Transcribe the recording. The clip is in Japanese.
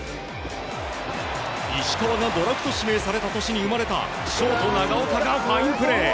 石川がドラフト指名された年に生まれたショート、長岡がファインプレー。